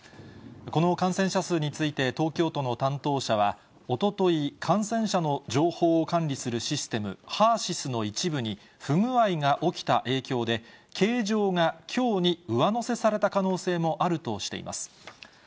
この感染者数について東京都の担当者は、おととい、感染者の情報を管理するシステム、ＨＥＲーＳＹＳの一部に不具合が起きた影響で、計上がきょうに上乗せされた可能性もあるとしています。